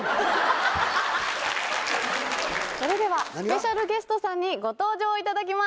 それではスペシャルゲストさんにご登場いただきます。